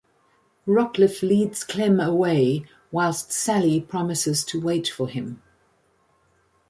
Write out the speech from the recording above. Rockliffe leads Clem away, whilst Sally promises to wait for him.